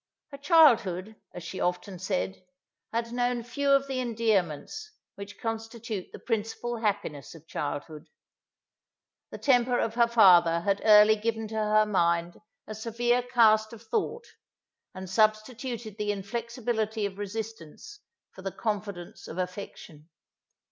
Her childhood, as she often said, had known few of the endearments, which constitute the principal happiness of childhood. The temper of her father had early given to her mind a severe cast of thought, and substituted the inflexibility of resistance for the confidence of affection.